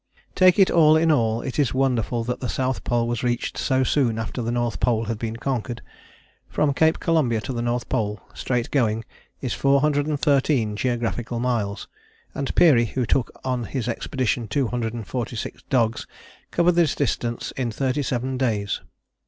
_ Take it all in all it is wonderful that the South Pole was reached so soon after the North Pole had been conquered. From Cape Columbia to the North Pole, straight going, is 413 geographical miles, and Peary who took on his expedition 246 dogs, covered this distance in 37 days.